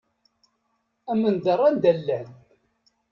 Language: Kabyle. Amendeṛ anda llan.